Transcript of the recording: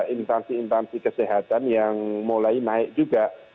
intansi intansi kesehatan yang mulai naik juga